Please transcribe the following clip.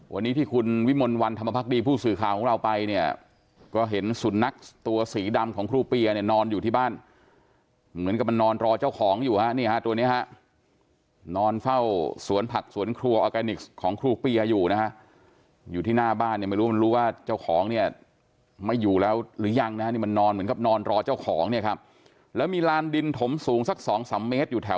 วันนี้ที่คุณวิมลวันธรรมภักดีผู้สื่อข่าวของเราไปเนี่ยก็เห็นสุดนักตัวสีดำของครูเปียเนี่ยนอนอยู่ที่บ้านเหมือนกับมันนอนรอเจ้าของอยู่ฮะนี่ฮะตัวนี้ฮะนอนเฝ้าสวนผักสวนครัวออกแกนิกส์ของครูเปียอยู่นะฮะอยู่ที่หน้าบ้านเนี่ยไม่รู้มันรู้ว่าเจ้าของเนี่ยไม่อยู่แล้วหรือยังนะฮะนี่มันนอนเห